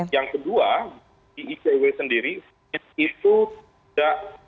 yang kedua di icw sendiri itu tidak